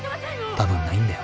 多分ないんだよ。